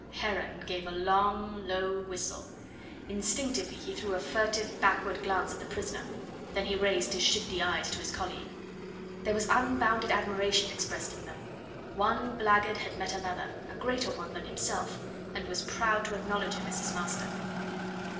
Heron gave a long, low whistle. Instinctively he threw a furtive, backward glance at the prisoner, then he raised his shifty eyes to his colleague. There was unbounded admiration expressed in them. One blackguard had met another a greater one than himself and was proud to acknowledge him as his master.